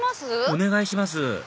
お願いします